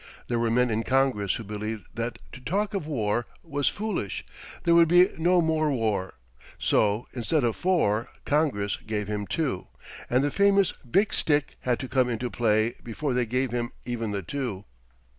There were men in Congress who believed that to talk of war was foolish; there would be no more war; so, instead of 4, Congress gave him 2, and the famous "big stick" had to come into play before they gave him even the two.